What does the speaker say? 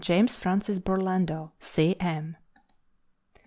JAMES FRANCIS BURLANDO, C. M.